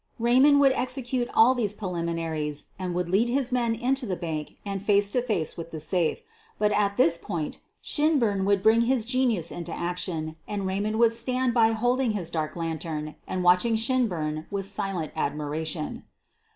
Raymond would execute all these preliminaries and would lead his men into the bank and face to face with the safe; but at this point Shinburn would bring his genius into action and ; Raymond would stand by holding his dark lantern and watching Shinburn with silent admiration.